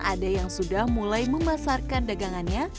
ada yang sudah mulai memasarkan dagangannya